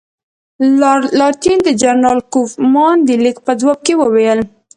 لارډ لیټن د جنرال کوفمان د لیک په ځواب کې وویل.